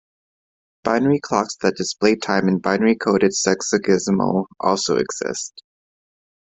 Binary clocks that display time in binary-coded sexagesimal also exist.